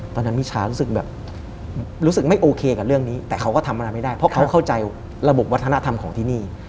มิชารู้สึกแบบรู้สึกไม่โอเคกับเรื่องนี้แต่เขาก็ทำอะไรไม่ได้เพราะเขาเข้าใจระบบวัฒนธรรมของที่นี่